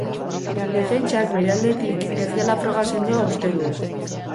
Defentsak, bere aldetik, ez dela froga sendoa uste du.